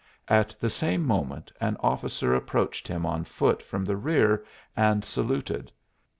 At the same moment an officer approached him on foot from the rear and saluted.